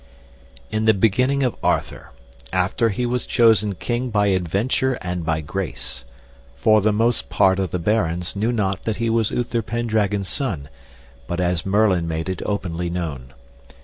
In the beginning of Arthur, after he was chosen king by adventure and by grace; for the most part of the barons knew not that he was Uther Pendragon's son, but as Merlin made it openly known.